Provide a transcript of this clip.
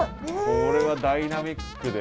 これはダイナミックでね。